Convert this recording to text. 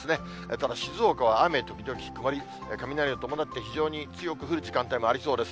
ただ静岡は雨時々曇り、雷を伴って非常に強く降る時間帯もありそうです。